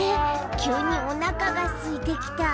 きゅうにおなかがすいてきた。